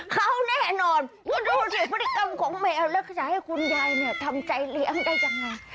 เขาแน่นอนคุณดูสิพฤติกรรมของแมวแล้วก็จะให้คุณยายเนี่ยทำใจเลี้ยงได้ยังไง